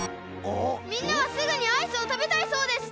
みんなはすぐにアイスをたべたいそうです！